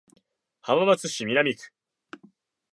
浜松市南区